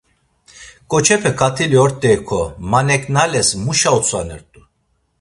K̆oçepe ǩatili ort̆eyǩo maneǩnales muşa utzvanert̆u?